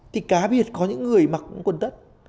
thì cá biệt có những người mặc quần tất